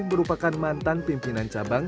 berupakan mantan pimpinan cabang